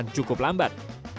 sms berjalan cukup lambat